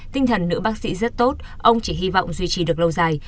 tinh thần nữ bác sĩ rất tốt ông chỉ hy vọng duy trì được lâu dài